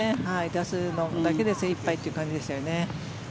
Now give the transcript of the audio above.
出すのだけで精いっぱいという感じでしたね。